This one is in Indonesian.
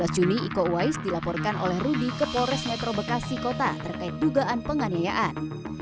dua belas juni iko uwais dilaporkan oleh rudy ke polres metro bekasi kota terkait dugaan penganiayaan